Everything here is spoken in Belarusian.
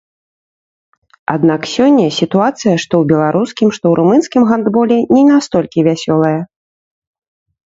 Аднак сёння сітуацыя, што ў беларускім, што ў румынскім гандболе не настолькі вясёлая.